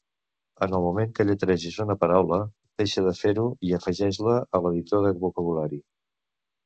En el moment que lletregis una paraula, deixa de fer-ho i afegeix-la a l'Editor de vocabulari.